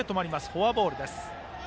フォアボールです。